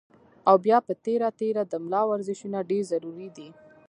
او بيا پۀ تېره تېره د ملا ورزشونه ډېر ضروري دي